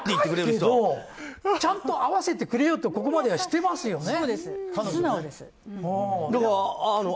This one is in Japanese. でもちゃんと合わせてくれようとここまでしてますよね。